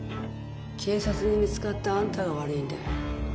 警察に見つかったあんたが悪いんだよ